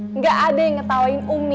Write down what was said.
enggak ada yang ngerawain umi